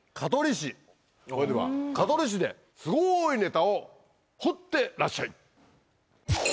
それでは香取市ですごいネタを掘ってらっしゃい！